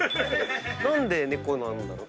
何で猫なんだろう？